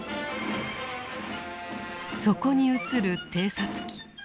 そこに映る偵察機。